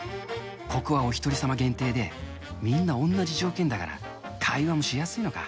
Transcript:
ここはおひとり様限定でみんな同じ条件だから、会話もしやすいのか。